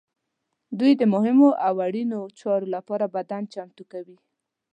دوی د مهمو او اړینو چارو لپاره بدن چمتو کوي.